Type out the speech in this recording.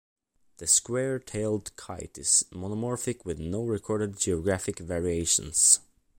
The square-tailed kite is monomorphic with no recorded geographic variations.